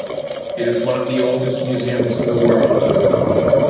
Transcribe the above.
It is one of oldest museums in the world.